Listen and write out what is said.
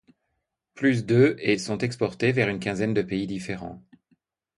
Plus de et sont exportés vers une quinzaine de pays différents.